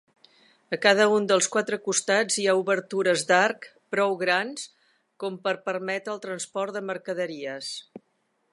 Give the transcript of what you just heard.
A cada un dels quatre costats hi ha obertures d'arc prou grans com per permetre el transport de mercaderies.